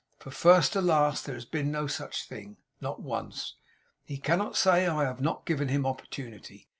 For first to last there has been no such thing. Not once. He cannot say I have not given him opportunity.